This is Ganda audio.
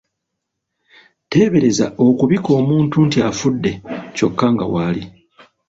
Teebereza okubika omuntu nti afudde kyokka nga w'ali!